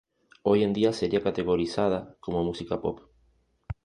Hoy en día seria categorizada como música Pop.